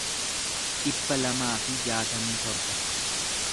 dhibba lamaa fi jaatamii torba